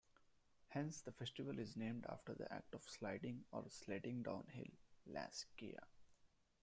Hence the festival is named after the act of sliding or sledding downhill, "laskea".